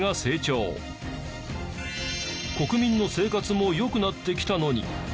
国民の生活も良くなってきたのに。